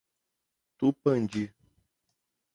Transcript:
Tupandi